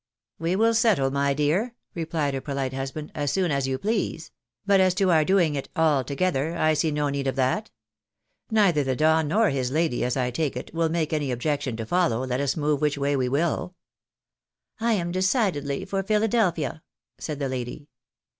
" We will settle, my dear," replied her polite husband, " as soon as you please ; but as to our doing it all together, I see no need of that. Neither the Don nor his lady, as I take it, will make any objection to follow, let us move which way we will." " I am decidedly for Philadelphia," said the lady.